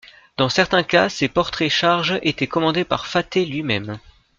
Dans certains cas, ces portraits-charges étaient commandés par Fattet lui-même.